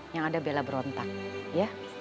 yang ada bela berontak ya